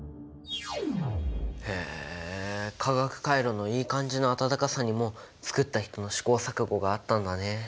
へえ化学カイロのいい感じの温かさにも作った人の試行錯誤があったんだね。